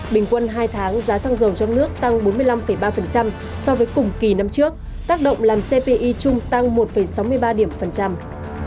bình quân hai tháng giá xăng dầu trong nước tăng bốn mươi năm ba so với cùng kỳ năm trước tác động làm cpi chung tăng một sáu mươi ba điểm phần trăm